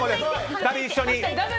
２人一緒に。